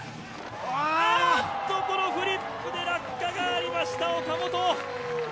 あーっと、このフリップで落下がありました、岡本。